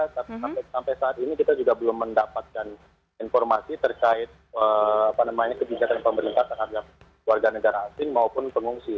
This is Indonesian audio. tapi sampai saat ini kita juga belum mendapatkan informasi terkait kebijakan pemerintah terhadap warga negara asing maupun pengungsi